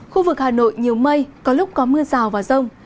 khu vực hà nội nhiều mây có lúc có mưa rào và rông